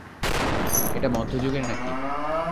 এটা মধ্য যুগের নাকি?